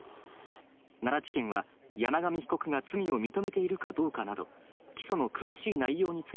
奈良地検は、山上被告が罪を認めているかどうかなど、起訴の詳しい内容につい